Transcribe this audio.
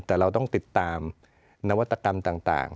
แต่เราต้องติดตามนวัตกรรมต่าง